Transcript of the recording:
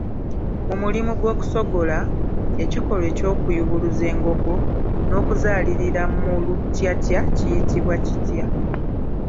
Mu mulimu gw'okusogola, ekikolwa eky'okuyubuluza engogo n'okuzaalirira mu lutyatya kiyitibwa kitya?